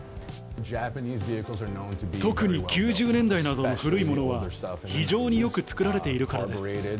特に９０年代などの古いものは、非常によく作られているからです。